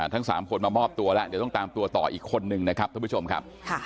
ทั้ง๓คนมามอบตัวแล้วเดี๋ยวต้องตามตัวต่ออีกคนหนึ่งครับ